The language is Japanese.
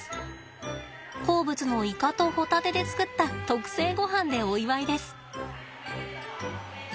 好物のイカとホタテで作った特製ごはんでお祝いです。